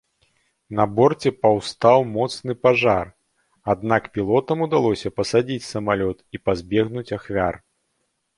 На борце паўстаў моцны пажар, аднак пілотам удалося пасадзіць самалёт і пазбегнуць ахвяр.